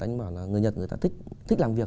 anh ấy nói là người nhật người ta thích làm việc